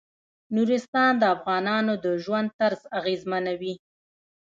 نورستان د افغانانو د ژوند طرز اغېزمنوي.